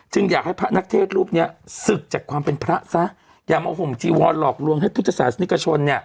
ซึ่งอยากให้พะนักเทศรูปเนี้ยศึกจากความเป็นพระซะยังเอาห่วงจีวนหลอกลวงให้ทุกทศาสตร์สนิทชนเนี้ย